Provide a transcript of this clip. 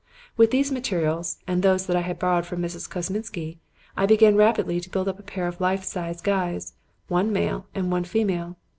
With these materials, and those that I had borrowed from Mrs. Kosminsky, I began rapidly to build up a pair of life sized guys one male and one female.